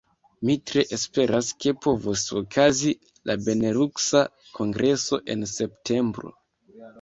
Mi tre esperas ke povos okazi la Beneluksa Kongreso en septembro.